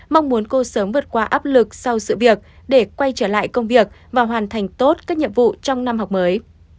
mong muốn cô sớm vượt qua áp lực sau sự việc để quay trở lại công việc và hoàn thành tốt các nhiệm vụ trong năm học mới